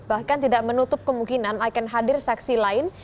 bahkan tidak menutup kemungkinan akan hadir saksi lain